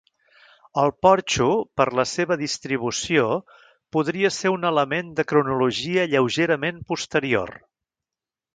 El porxo, per la seva distribució, podria ser un element de cronologia lleugerament posterior.